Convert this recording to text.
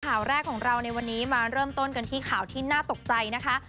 ข่าวแรกของเราในวันนี้มาเริ่มต้นกันที่ข่าวที่น่าตกใจนะคะ